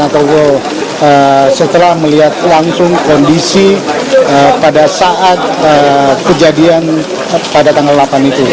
atau setelah melihat langsung kondisi pada saat kejadian pada tanggal delapan itu